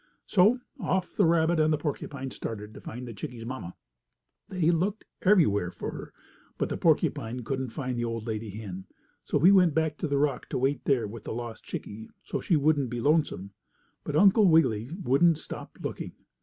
So off the rabbit and the porcupine started to find the chickie's mamma. They looked everywhere for her, but the porcupine couldn't find the old lady hen, so he went back to the rock to wait there with the lost chickie so she wouldn't be lonesome. But Uncle Wiggily wouldn't stop looking.